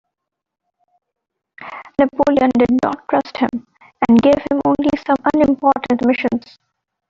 Napoleon did not trust him, and gave him only some unimportant missions.